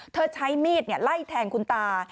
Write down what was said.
ใช้มีดไล่แทงคุณตา